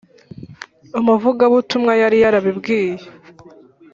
Umuvugabutumwa yari yarabimbwiye